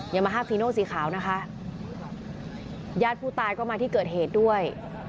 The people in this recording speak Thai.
ยามาฮาฟีโนสีขาวนะคะญาติผู้ตายก็มาที่เกิดเหตุด้วย